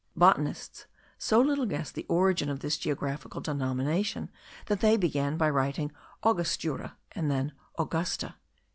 Botanists so little guessed the origin of this geographical denomination that they began by writing Augustura, and then Augusta.)